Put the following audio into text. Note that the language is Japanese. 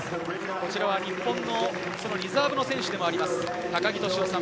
こちら日本のリザーブの選手でもあります、高木聖雄さん。